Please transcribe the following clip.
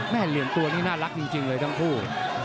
เหลี่ยมตัวนี้น่ารักจริงเลยทั้งคู่